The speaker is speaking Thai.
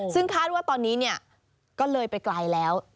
ซึ่งคาดว่าตอนนี้เนี่ยก็เลยไปไกลแล้ว